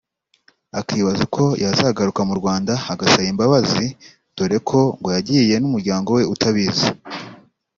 akibaza uko yazagaruka mu Rwanda agasaba imbabazi dore ko ngo yagiye n’umuryango we utabizi